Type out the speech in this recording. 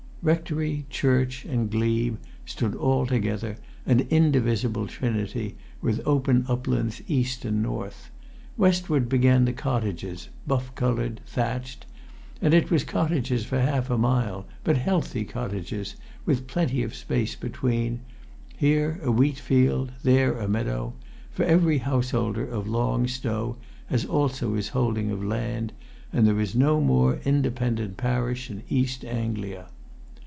Rectory, church, and glebe stood all together, an indivisible trinity, with open uplands east and north. Westward began the cottages, buff coloured, thatched; and it was cottages for half a mile, but healthy cottages, with plenty of space between, here a wheatfield, there a meadow; for every householder of Long Stow has also his holding of land, and there is no more independent parish in East Anglia.